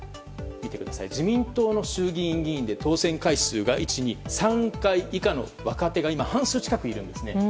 自民党の衆議院議員で当選回数が３回以下の若手が半数近くいるんですね。